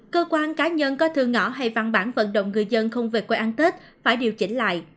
cơ quan cá nhân có thư ngõ hay văn bản vận động người dân không về quê ăn tết phải điều chỉnh lại